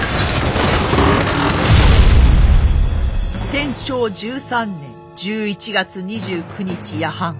天正十三年１１月２９日夜半。